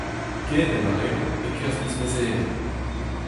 Genel a reont e-kerzh miz Mezheven.